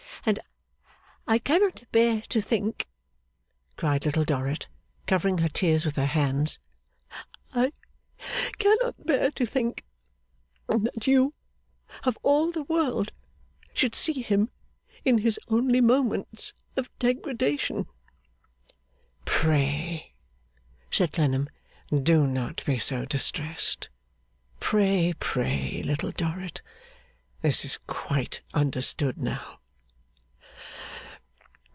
And I cannot bear to think,' cried Little Dorrit, covering her tears with her hands, 'I cannot bear to think that you of all the world should see him in his only moments of degradation.' 'Pray,' said Clennam, 'do not be so distressed. Pray, pray, Little Dorrit! This is quite understood now.